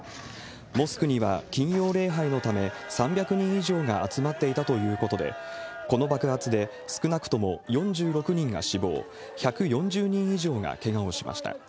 モスクには金曜礼拝のため、３００人以上が集まっていたということで、この爆発で少なくとも４６人が死亡、１４０人以上がけがをしました。